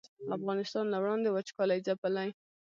افغانستان له وړاندې وچکالۍ ځپلی